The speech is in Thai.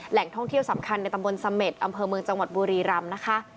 แหล่งท่องเที่ยวสำคัญในตำบลสเม็ดอำเภอมวิญญาจังหวัดบุรีรำนะคะ